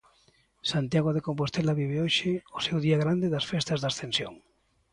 Santiago de Compostela vive hoxe o seu día grande das festas da Ascensión.